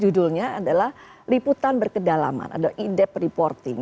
judulnya adalah liputan berkedalaman ada indeb reporting